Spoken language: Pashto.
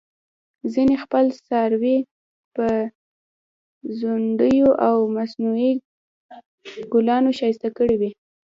ځینې خپل څاروي په ځونډیو او مصنوعي ګلانو ښایسته کړي وي.